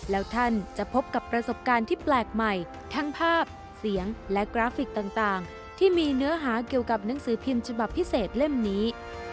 แล้วท่านจะพบกับประสบการณ์ที่แปลกใหม่ทั้งภาพเสียงและกราฟิกต่างที่มีเนื้อหาเกี่ยวกับหนังสือพิมพ์ฉบับพิเศษเล่มนี้